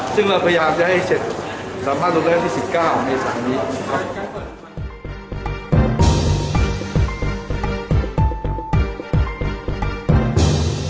สิ่งที่เราพยายามจะให้เสร็จสำหรับทุกคนที่สิทธิ์กล้าวมีสัญลิทธิ์